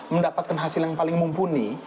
mendapatkan hasil yang paling mumpuni